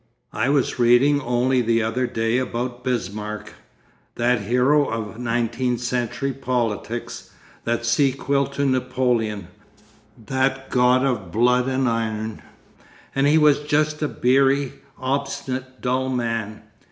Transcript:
'I was reading only the other day about Bismarck, that hero of nineteenth century politics, that sequel to Napoleon, that god of blood and iron. And he was just a beery, obstinate, dull man.